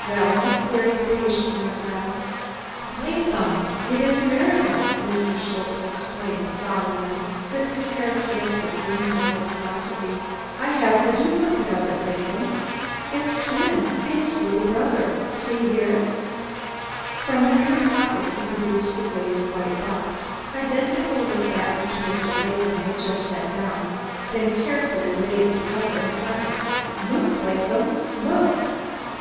"Well?" he queried impatiently, at last. "Laadham, id is der miracle!" Mr. Schultze explained solemnly, with his characteristic, whimsical philosophy. "I haf der dupligade of id, Laadham der dwin, der liddle brudder. Zee here!" From an inner pocket he produced a glazed white box, identical with that which Mr. Latham had just set down, then carefully laid the cover aside. "Look, Laadham, look!"